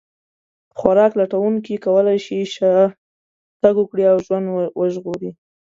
خوراک لټونکو کولی شول شا تګ وکړي او ژوند وژغوري.